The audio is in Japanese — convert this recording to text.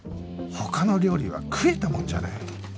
他の料理は食えたもんじゃない！